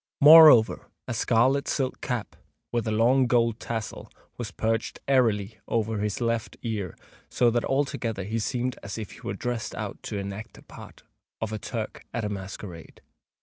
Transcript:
Moreover, a scarlet silk cap, with a long gold tassel, was perched airily over his left ear; so that altogether he seemed as if he were dressed out to enact the part of a Turk at a masquerade.